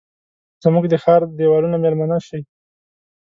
زموږ د ښارد دیوالونو میلمنه شي